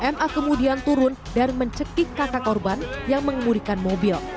ma kemudian turun dan mencekik kakak korban yang mengemudikan mobil